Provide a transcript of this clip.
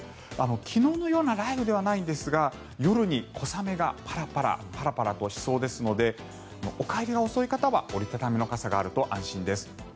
昨日のような雷雨ではないんですが夜に小雨がパラパラとしそうですのでお帰りが遅い方は折り畳みの傘があると安心です。